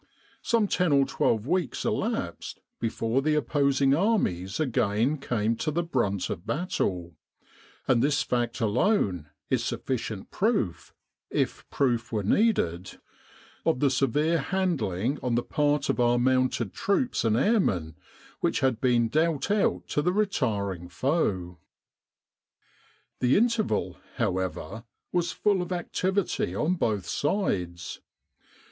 Some ten or twelve weeks elapsed before the opposing armies again came to the brunt of battle ; and this fact alone is sufficient proof, if proof were needed, of the severe handling on the part of our mounted troops and airmen which had been dealt out to the retiring foe. The interval, however, was full of activity on both sides.